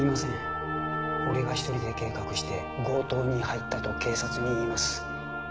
俺が一人で計画して強盗に入ったと警察に言います。